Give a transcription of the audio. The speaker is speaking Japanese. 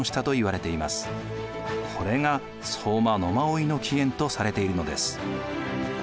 これが相馬野馬追の起源とされているのです。